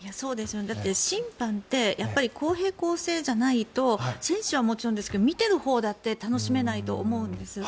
だって審判って公平・公正じゃないと選手はもちろん見てるほうだって楽しめないと思うんです。